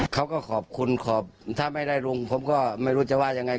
เขาก็ขอบคุณขอบถ้าไม่ได้ลุงผมก็ไม่รู้จะว่ายังไง